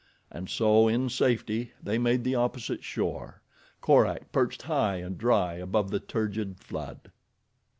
And so, in safety, they made the opposite shore, Korak perched high and dry above the turgid flood.